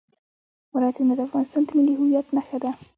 ولایتونه د افغانستان د ملي هویت نښه ده.